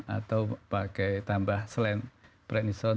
atau pakai tambah selain prednisone